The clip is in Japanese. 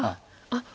あっ。